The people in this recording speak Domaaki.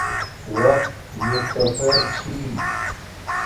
وقت مختصر چھی